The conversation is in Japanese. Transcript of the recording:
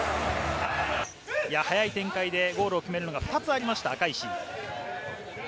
速い展開でゴールを決めるのが２つありました、赤石。